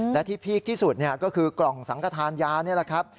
และที่พีคที่สุดก็คือกล่องสังขทานยานี่แหละครับ